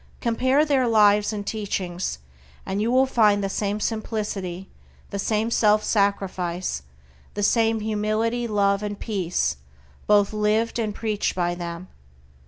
Compare their lives and teachings, and you will find the same simplicity, the same self sacrifice, the same humility, love, and peace both lived and preached by them.